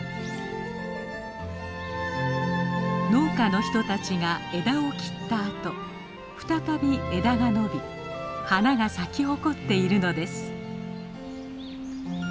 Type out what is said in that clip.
農家の人たちが枝を切ったあと再び枝が伸び花が咲き誇っているのです。